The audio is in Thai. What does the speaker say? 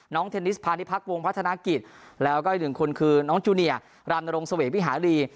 น้องเทนนิสพาณิพักวงพัฒนากิจแล้วก็๑คนคือน้องจูเนียรามนรงสเวศวิหารี